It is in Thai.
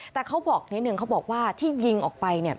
แต่เขาบอกนิดนึงเขาบอกว่าที่ยิงออกไปเนี่ย